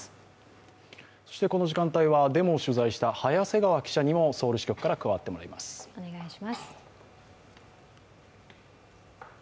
この時間帯はデモを取材した早瀬川記者にもソウル支局から加わってもらいます。